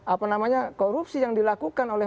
apa namanya korupsi yang dilakukan oleh